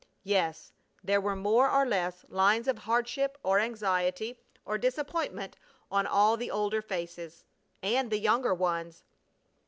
Yes, there were more or less lines of hardship, or anxiety, or disappointment on all the older faces. And the younger ones!